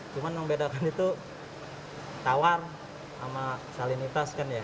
cuma membedakan itu tawar sama salinitas kan ya